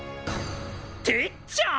てっちゃん！？